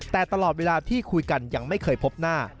แต่ตลอดเวลาที่คุยกันยังไม่เคยพบหน้า